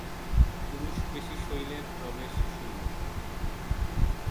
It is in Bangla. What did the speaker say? পুরুষবেশী শৈলের প্রবেশ শৈল।